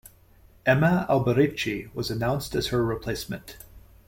Emma Alberici was announced as her replacement.